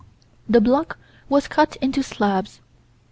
The block was cut into slabs.